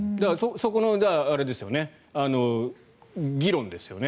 そこの議論ですよね。